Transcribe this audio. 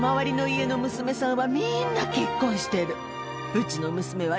うちの娘は。